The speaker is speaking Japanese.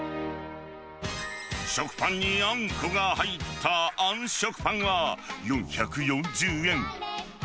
食パンにあんこが入ったあん食パンは、４４０円。